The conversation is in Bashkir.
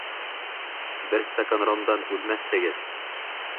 Бер стакан ромдан үлмәҫһегеҙ.